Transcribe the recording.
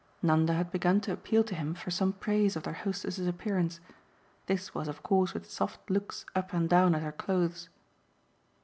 Nanda had begun to appeal to him for some praise of their hostess's appearance. This was of course with soft looks up and down at her clothes.